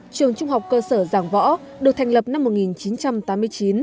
trường trung học cơ sở giảng võ được thành lập năm một nghìn chín trăm tám mươi chín